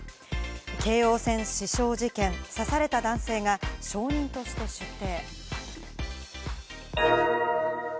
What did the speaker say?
京王線刺傷事件、刺された男性が証人として出廷。